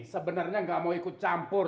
sebenernya gak mau ikut campur